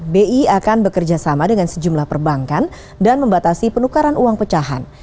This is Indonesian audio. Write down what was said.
bi akan bekerjasama dengan sejumlah perbankan dan membatasi penukaran uang pecahan